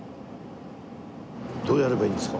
どうやればいいんですか？